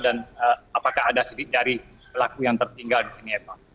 dan apakah ada sedikit dari pelaku yang tertinggal di sini eva